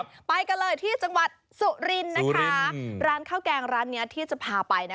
ไปกันเลยที่จังหวัดสุรินทร์นะคะร้านข้าวแกงร้านเนี้ยที่จะพาไปนะ